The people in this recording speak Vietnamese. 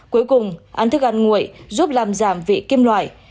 cuối cùng ăn thức ăn nguội giúp làm giảm vị kim loại